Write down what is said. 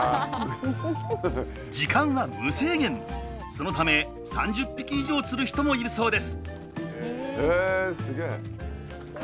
そのため３０匹以上釣る人もいるそうです。